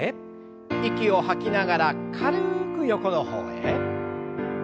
息を吐きながら軽く横の方へ。